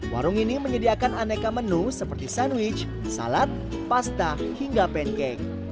warung ini menyediakan aneka menu seperti sandwich salad pasta hingga pancake